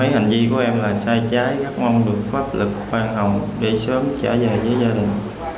hành vi của em là sai trái gác mong được pháp lực khoan hồng để sớm trở về với dân